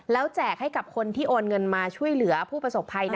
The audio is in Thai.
แล้วแจกให้กับคนที่โอนเงินมาช่วยเหลือผู้ประสบภัย